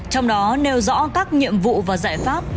trong đó nêu rõ các nhiệm vụ và giải pháp